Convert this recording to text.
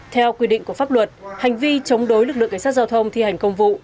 theo quy định của pháp luật hành vi chống đối lực lượng cảnh sát giao thông thi hành công vụ